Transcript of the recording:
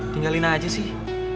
tinggal lina aja sih